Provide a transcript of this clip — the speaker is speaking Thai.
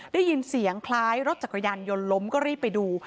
ได้ยินเสียงคล้ายรถจักรยานยนต์ล้มก็รีบไปดู